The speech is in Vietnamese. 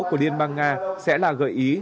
của liên bang nga sẽ là gợi ý